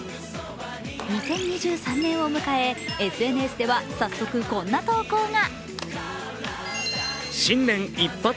２０２３年を迎え、ＳＮＳでは早速、こんな投稿が。